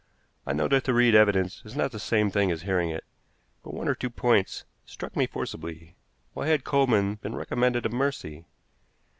I know that to read evidence is not the same thing as hearing it, but one or two points struck me forcibly. Why had Coleman been recommended to mercy?